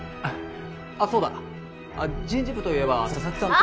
あそうだ。人事部といえば佐々木さんって。